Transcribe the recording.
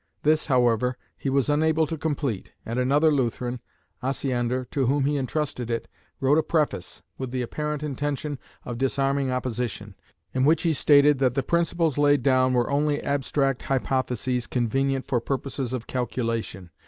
This, however, he was unable to complete and another Lutheran, Osiander, to whom he entrusted it, wrote a preface, with the apparent intention of disarming opposition, in which he stated that the principles laid down were only abstract hypotheses convenient for purposes of calculation.